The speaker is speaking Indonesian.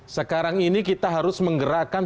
sekarang ini kita harus menggerakkan